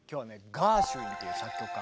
ガーシュウィンっていう作曲家。